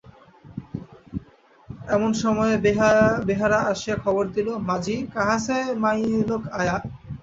এমন সময় বেহারা আসিয়া খবর দিল, মাজি, কাঁহাসে মায়ীলোক আয়া।